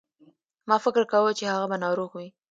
ما فکر کاوه چې هغه به ناروغ وي.